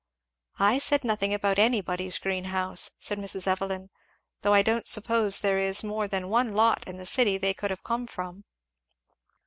"I said nothing about anybody's greenhouse," said Mrs. Evelyn, "though I don't suppose there is more than one Lot in the city they could have come from."